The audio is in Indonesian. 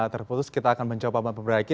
terputus kita akan mencoba memperbaiki